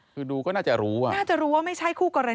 คือดูก็น่าจะรู้ว่า